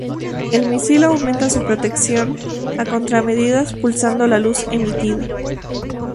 El misil aumenta su protección a contramedidas pulsando la luz emitida.